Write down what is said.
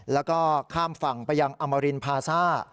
แล้วก็ข้ามฝั่งไปยังอมรินพาซ่า